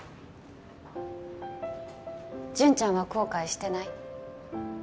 ジュンちゃんは後悔してない？